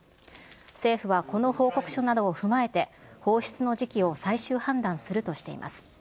政府はこの報告書などを踏まえて、放出の時期を最終判断するとしています。